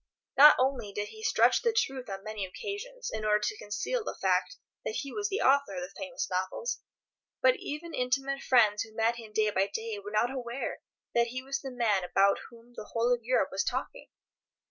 Not only did he stretch the truth on many occasions in order to conceal the fact that he was the author of the famous novels, but even intimate friends who met him day by day were not aware that he was the man about whom the whole of Europe was talking.